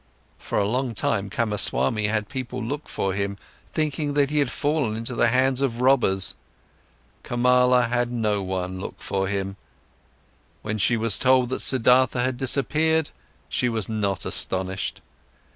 For a long time, Kamaswami had people look for him, thinking that he had fallen into the hands of robbers. Kamala had no one look for him. When she was told that Siddhartha had disappeared, she was not astonished.